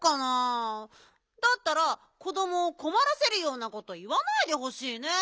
だったら子どもをこまらせるようなこといわないでほしいね。